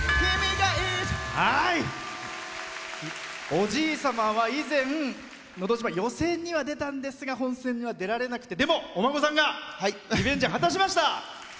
おじい様は以前「のど自慢」予選には出たんですが本選には出られなくてでも、お孫さんがリベンジ果たしました。